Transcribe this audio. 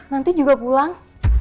nanti juga pulang